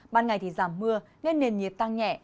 ban ngày thì giảm mưa nên nền nhiệt tăng nhẹ